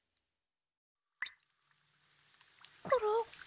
コロ？